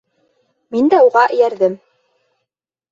Мин дә уға эйәрҙем.